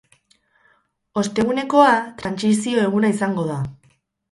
Ostegunekoa trantsizio eguna izango da.